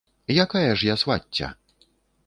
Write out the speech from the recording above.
Якая ж я свацця?